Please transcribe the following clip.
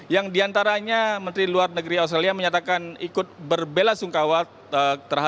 yang di antaranya menteri luar negeri australia menyatakan ikut berbela sungkawat